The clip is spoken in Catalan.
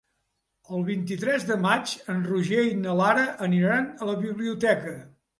El vint-i-tres de maig en Roger i na Lara aniran a la biblioteca.